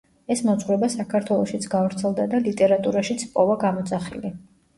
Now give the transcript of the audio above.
ეს მოძღვრება საქართველოშიც გავრცელდა და ლიტერატურაშიც პოვა გამოძახილი.